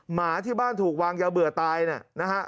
หมาที่บ้านถูกวางยาเบื่อตายนะฮะ